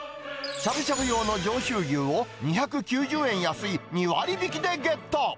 しゃぶしゃぶ用の上州牛を、２９０円安い２割引きでゲット。